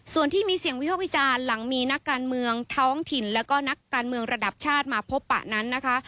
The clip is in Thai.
ส่วนที่มีเสียงวิภาควิจารณ์หลังมีนักการเมืองท้องถิ่นแล้วก็นักการเมืองระดับชาติมาพบปะนั้นนะคะ